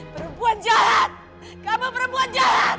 perempuan jahat kamu perempuan jahat